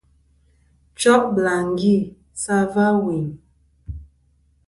Cho' bɨlàŋgi sɨ a va ɨwùyn.